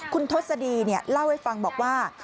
คุณทศดีเล่าให้ฟังบอกว่า